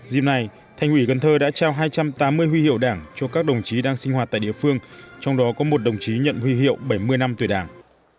dìm nay thành ủy cần thơ đã trao hai trăm tám mươi huy hiệu đảng cho các đồng chí đang sinh hoạt tại địa phương trong đó có một đồng chí nhận huy hiệu bảy mươi năm tuổi đảng